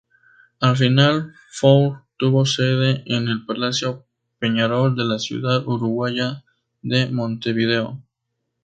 El "Final-Four" tuvo sede en el Palacio Peñarol de la ciudad uruguaya de Montevideo.